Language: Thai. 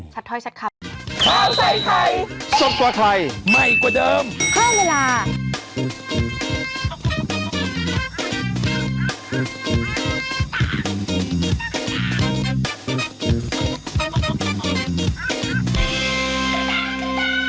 ชัดท้อยชัดครับ